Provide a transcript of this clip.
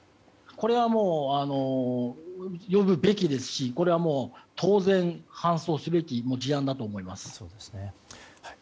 これはもう呼ぶべきですしこれは当然、搬送すべき事案だと思います。